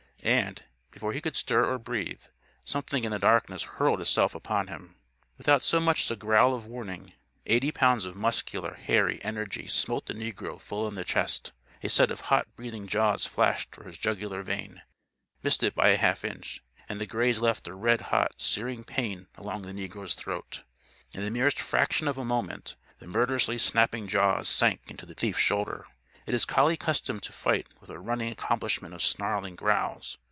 And, before he could stir or breathe, something in the darkness hurled itself upon him. Without so much as a growl of warning, eighty pounds of muscular, hairy energy smote the negro full in the chest. A set of hot breathing jaws flashed for his jugular vein, missed it by a half inch, and the graze left a red hot searing pain along the negro's throat. In the merest fraction of a moment, the murderously snapping jaws sank into the thief's shoulder. It is collie custom to fight with a running accompaniment of snarling growls.